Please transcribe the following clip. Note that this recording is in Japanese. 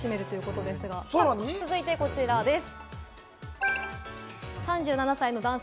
続いてこちらです。